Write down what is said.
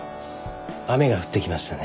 雨が降ってきましたね